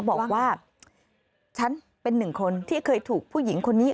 บอกว่าฉันเป็นหนึ่งคนที่เคยถูกผู้หญิงคนนี้